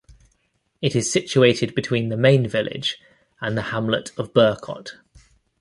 It is situated between the main village and the hamlet of Burcott.